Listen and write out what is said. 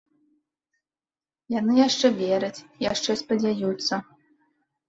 Яны яшчэ вераць, яшчэ спадзяюцца.